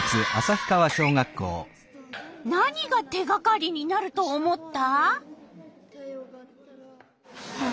何が手がかりになると思った？